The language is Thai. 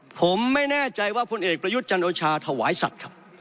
ผมไม่แน่ใจว่าพลเอกประยุทธ์จันโอชาถวายสัตว์ครับ